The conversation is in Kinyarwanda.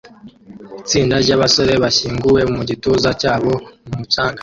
Itsinda ryabasore bashyinguwe mu gituza cyabo mu mucanga